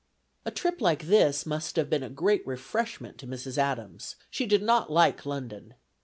A trip like this must have been a great refreshment to Mrs. Adams; she did not like London.